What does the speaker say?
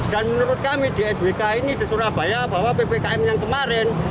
menurut kami di nwk ini di surabaya bahwa ppkm yang kemarin